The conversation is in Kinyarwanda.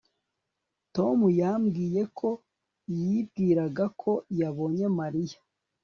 Tom yambwiye ko yibwiraga ko yabonye Mariya